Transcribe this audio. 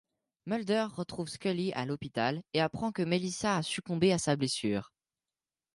Mulder retrouve Scully à l'hôpital et apprend que Melissa a succombé à sa blessure.